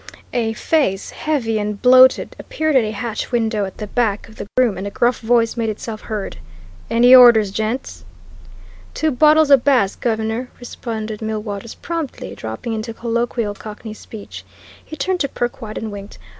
A face, heavy and bloated, appeared at a hatch window at the back of the room, and a gruff voice made itself heard. "Any orders, gents?" "Two bottles o' Bass, gov'nor," responded Millwaters promptly, dropping into colloquial Cockney speech. He turned to Perkwite and winked.